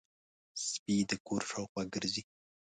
سپي د کور شاوخوا ګرځي.